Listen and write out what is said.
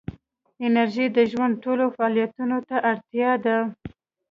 انرژي د ژوند ټولو فعالیتونو ته اړتیا ده.